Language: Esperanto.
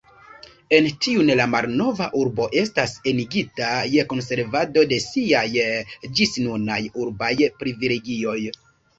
En tiun la malnova urbo estas enigita je konservado de siaj ĝisnunaj urbaj privilegioj.